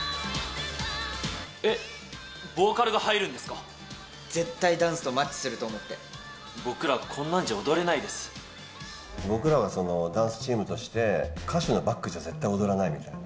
えっ、絶対ダンスとマッチすると思僕ら、こんなんじゃ踊れない僕らは、ダンスチームとして、歌手のバックじゃ、絶対踊らないみたいな。